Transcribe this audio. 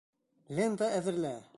Лента әҙерлә!